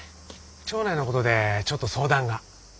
町内のことでちょっと相談が。